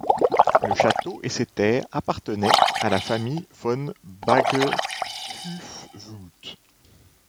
Le château et ses terres appartenaient à la famille von Baggehufwudt.